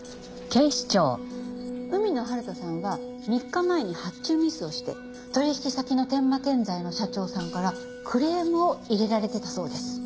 海野春人さんは３日前に発注ミスをして取引先の天馬建材の社長さんからクレームを入れられてたそうです。